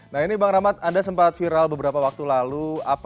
nah ini bang rahmat anda sempat viral beberapa waktu lalu